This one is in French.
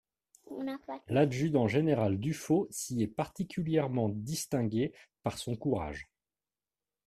L'adjudant-général Duphot s'y est particulièrement distingué par son courage.